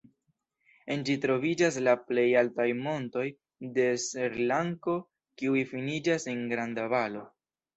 En ĝi troviĝas la plej altaj montoj de Srilanko kiuj finiĝas en granda valo.